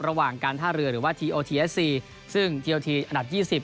ระหว่างการท่าเรือหรือว่าทีโอทีเอสซีซึ่งทีโอทีอันดับ๒๐